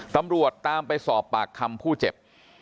ตำรวจตามไปสอบปากคำผู้เจ็บ